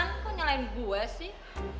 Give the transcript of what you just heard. nggak ada yang lain buah sih